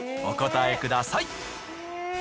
お答えください。